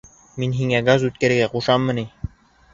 Мин һиңә газ үткәрергә ҡушаммы ни?